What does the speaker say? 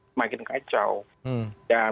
semakin kacau dan